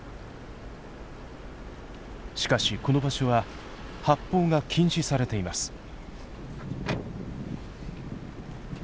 しかしこの場所は発砲が禁止されています。